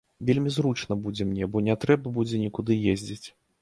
Вельмі зручна будзе мне, бо не трэба будзе нікуды ездзіць.